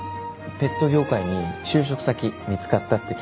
ペット業界に就職先見つかったって聞きました。